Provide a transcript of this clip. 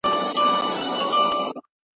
د موضوع انتخاب باید د شاګرد په خوښه وي.